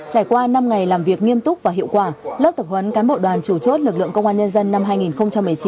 trải qua năm ngày làm việc nghiêm túc và hiệu quả lớp tập huấn cán bộ đoàn chủ chốt lực lượng công an nhân dân năm hai nghìn một mươi chín